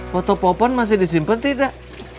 foto popon masih disimpan tidak